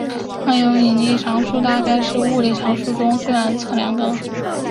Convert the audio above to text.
万有引力常数大概是物理常数中最难测量的了。